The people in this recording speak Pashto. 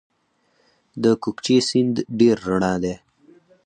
د کوکچې سیند ډیر رڼا دی